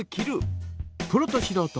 プロとしろうと